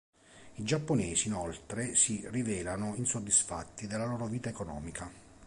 I giapponesi, inoltre, si rivelano insoddisfatti della loro vita economica.